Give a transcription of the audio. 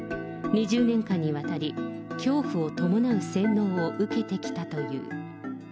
２０年間にわたり、恐怖を伴う洗脳を受けてきたという。